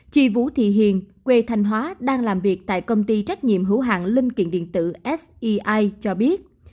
chị vũ thị hiền quê thanh hóa đang làm việc tại công ty trách nhiệm hữu hạng linh kiện điện tử sea cho biết